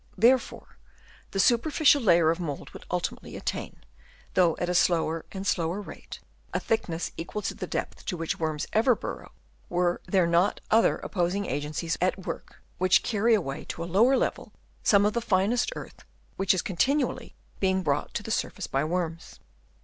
Therefore the superficial layer of mould would ultimately attain, though at a slower and slower rate, a thick ness equal to the depth to which worms ever burrow, were there not other opposing agencies at work which carry away to a Chap. III. ANNUALLY ACCUMULATED. 177 lower level some of the finest earth which is continually being brought to the surface by worms.